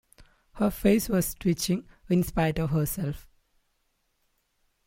Her face was twitching in spite of herself.